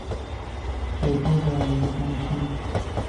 惠特利县是位于美国印第安纳州东北部的一个县。